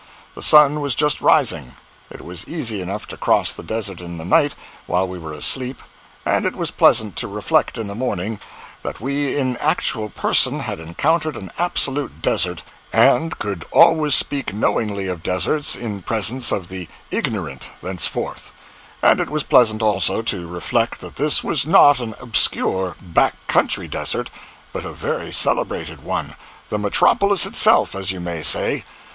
The sun was just rising. It was easy enough to cross a desert in the night while we were asleep; and it was pleasant to reflect, in the morning, that we in actual person had encountered an absolute desert and could always speak knowingly of deserts in presence of the ignorant thenceforward. And it was pleasant also to reflect that this was not an obscure, back country desert, but a very celebrated one, the metropolis itself, as you may say.